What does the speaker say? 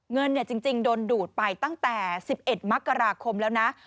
เงินจริงโดนดูดไปตั้งแต่๑๑มกราคมแล้วนะ